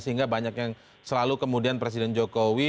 sehingga banyak yang selalu kemudian presiden jokowi